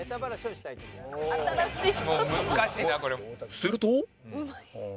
すると？